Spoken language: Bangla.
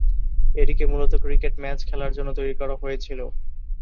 এটিকে মূলত ক্রিকেট ম্যাচ খেলার জন্য তৈরি করা হয়েছিল।